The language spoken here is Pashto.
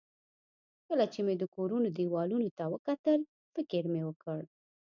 کله چې مې د کورونو دېوالونو ته وکتل، فکر مې وکړ.